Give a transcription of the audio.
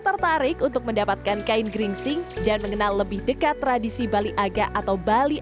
tertarik untuk mendapatkan kain geringsing dan mengenal lebih dekat tradisi bali aga atau bali